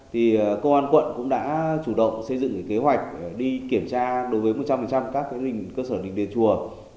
thì công an quận cũng đã chủ động xây dựng kế hoạch đi kiểm tra đối với một trăm linh các cơ sở định địa chùa